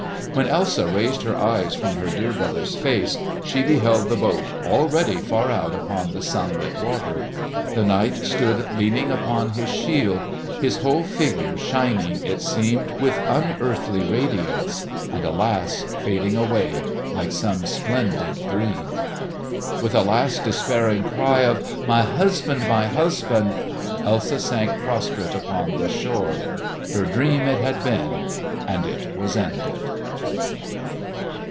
When Elsa raised her eyes from her dear brother's face, she beheld the boat already far out upon the sunlit water. The knight stood leaning upon his shield, his whole figure shining, it seemed, with unearthly radiance, and alas! fading away like some splendid dream. With a last despairing cry of "My husband! my husband!" Elsa sank prostrate upon the shore. Her dream it had been, and it was ended.